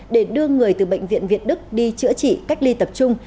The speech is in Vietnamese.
để đưa người từ bệnh viện việt đức đi chữa trị cách ly tập trung